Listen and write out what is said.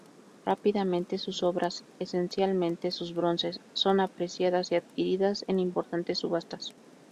Rápidamente sus obras, esencialmente sus bronces, son apreciadas y adquiridas en importantes subastas.